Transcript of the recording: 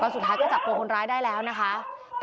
สุดท้ายก็จับตัวคนร้ายได้แล้วนะคะ